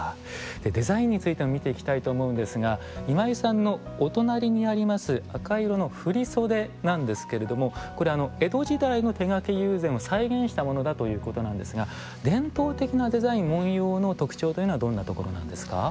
デザインについても見ていきたいと思うんですが今井さんのお隣にあります赤い色の振り袖なんですけれどもこれ江戸時代の手描き友禅を再現したものだということなんですが伝統的なデザイン文様の特徴というのはどんなところなんですか。